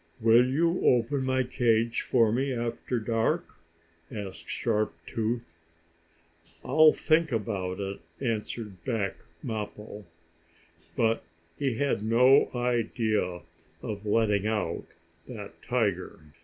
"Will you open my cage for me after dark?" asked Sharp Tooth. "I'll think about it," answered back Mappo. But he had no idea of letting out that tiger.